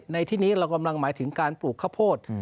ในที่นี้เรากำลังหมายถึงการปลูกข้าวโพด